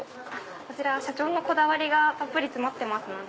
こちらは社長のこだわりがたっぷり詰まってますので。